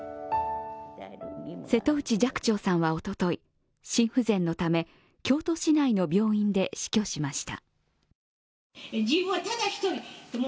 瀬戸内寂聴さんはおととい、心不全のため、京都市内の病院で死去しました。